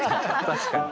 確かに。